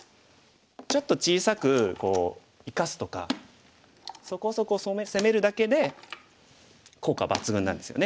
ちょっと小さくこう生かすとかそこそこ攻めるだけで効果抜群なんですよね。